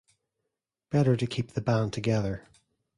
Better to keep the band together.